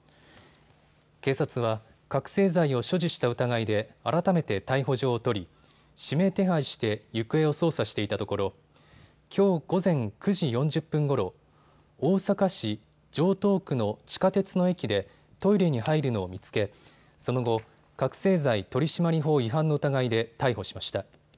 警察は覚醒剤を所持した疑いで改めて逮捕状を取り指名手配して行方を捜査していたところきょう午前９時４０分ごろ大阪市城東区の地下鉄の駅でトイレに入るのを見つけその後、覚醒剤取締法違反の疑いで逮捕しました。